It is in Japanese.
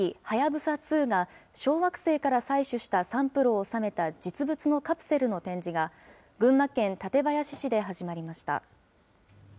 はやぶさ２が、小惑星から採取したサンプルを収めた実物のカプセルの展示が、群馬県館林市で始まりました。